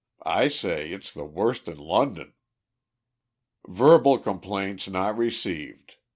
"I say, it's the worst in London." "Verbal complaints not received.